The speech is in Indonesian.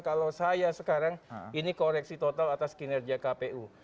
kalau saya sekarang ini koreksi total atas kinerja kpu